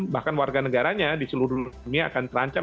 bahkan warga negaranya di seluruh dunia akan terancam